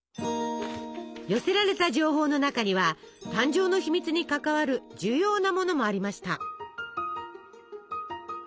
寄せられた情報の中には誕生の秘密に関わる重要なものもありました。